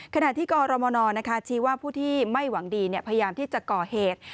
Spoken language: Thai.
ขณะที่กรมนชี้ว่าผู้ที่ไม่หวังดีพยายามที่จะก่อเหตุ